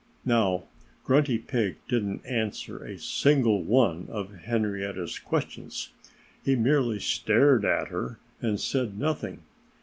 Now, Grunty Pig didn't answer a single one of Henrietta's questions. He merely stared at her and said nothing.